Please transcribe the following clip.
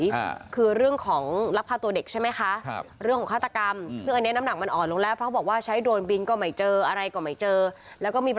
ค่ะคือเรื่องของลักภาพตัวเด็กใช่ไหมคะครับเรื่องของฆาตกรรมอืม